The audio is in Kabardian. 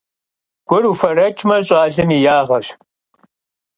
Gur vufereç'me, ş'alem yi yağeş.